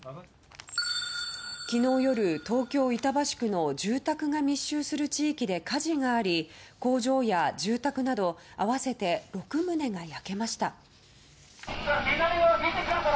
昨日夜、東京・板橋区の住宅が密集する地域で火事があり工場や住宅など合わせて６棟が焼けました。